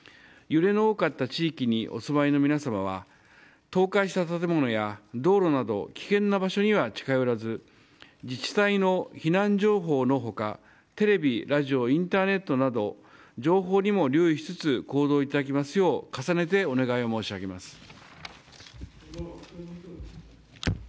揺れの多かった地域にお住まいの皆さまは倒壊した建物や道路など危険な場所には近寄らず自治体の避難情報の他テレビ、ラジオインターネットなど情報にも留意しつつ行動いただきますよう重ねてお願い申し上げます。